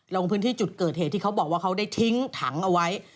ลงพื้นที่จุดเกิดเหตุที่เขาบอกว่าเขาได้ทิ้งถังเอาไว้